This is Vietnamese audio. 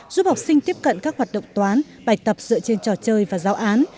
giúp học sinh tiếp cận các hoạt động toán bài tập dựa trên trò chơi và giáo án